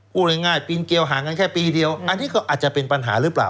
พูดง่ายปีนเกียวห่างกันแค่ปีเดียวอันนี้ก็อาจจะเป็นปัญหาหรือเปล่า